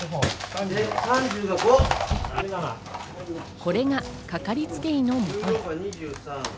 これが、かかりつけ医の元へ。